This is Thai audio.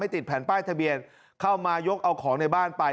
ติดแผ่นป้ายทะเบียนเข้ามายกเอาของในบ้านไป